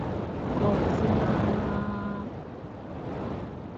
過嚟先啊啊啊